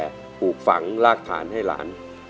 ปลูกฝังรากฐานให้หลาน